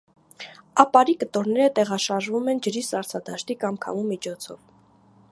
Ապարի կտորներր տեղաշարժվում են ջրի, սառցադաշտի կամ քամու միջոցով։